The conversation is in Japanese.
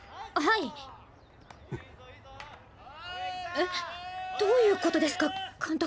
えっ⁉どういうことですか監督